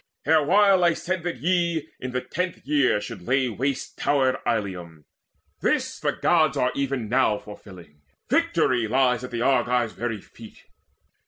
Erewhile I said that ye in the tenth year Should lay waste towered Ilium: this the Gods Are even now fulfilling; victory lies At the Argives' very feet.